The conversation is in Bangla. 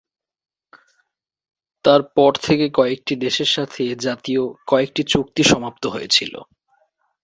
তার পর থেকে কয়েকটি দেশের সাথে এ জাতীয় কয়েকটি চুক্তি সমাপ্ত হয়েছিল।